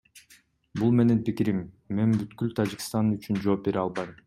Бул менин пикирим, мен бүткүл Тажикстан үчүн жооп бере албайм.